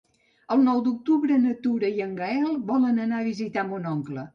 El nou d'octubre na Tura i en Gaël volen anar a visitar mon oncle.